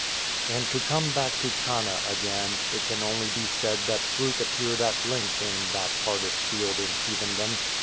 And to come back to Tanna again, it can only be said that fruit appeared at length in "that hardest field in Heathendom."